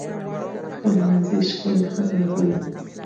خپل منځي شخړې ختمې کړئ.